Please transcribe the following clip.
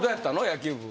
野球部。